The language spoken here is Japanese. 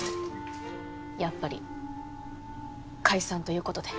やっぱり解散という事で。